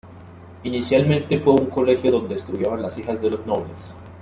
Inicialmente fue un colegio donde estudiaban las hijas de los nobles.